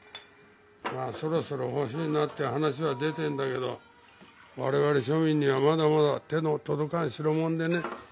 まあそろそろ欲しいなって話は出てんだけど我々庶民にはまだまだ手の届かん代物でね。